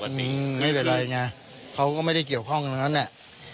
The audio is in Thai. เขาเป็นเรื่องปกติอืมไม่เป็นไรไงเขาก็ไม่ได้เกี่ยวข้องกับนั้นแหละ